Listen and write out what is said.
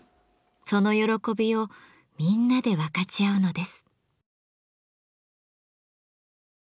その喜びをみんなで分かち合うのです。